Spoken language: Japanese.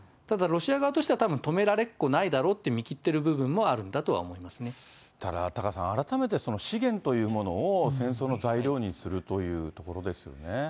ただ、ロシア側としては、たぶん止められっこないだろうって見切ってる部分もあるんだとはただタカさん、改めて資源というものを戦争の材料にするということところですよ